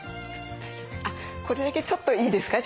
これだけちょっといいですか？